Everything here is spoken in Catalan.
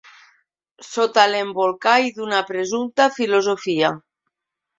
Sota l'embolcall d'una presumpta filosofia